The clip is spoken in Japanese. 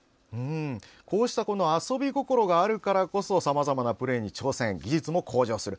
こうした遊び心があるからこそさまざまなプレーに挑戦技術も向上する。